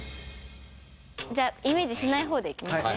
じゃあイメージしない方でいきますね。